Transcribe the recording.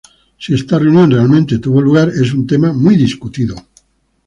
Si esta reunión realmente tuvo lugar es un tema muy discutido.